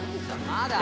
まだ！